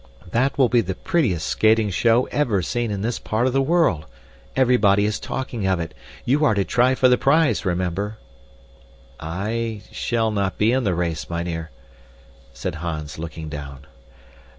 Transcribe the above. That will be the prettiest skating show ever seen in this part of the world. Everybody is talking of it; you are to try for the prize, remember." "I shall not be in the race, mynheer," said Hans, looking down.